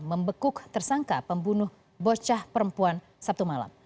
membekuk tersangka pembunuh bocah perempuan sabtu malam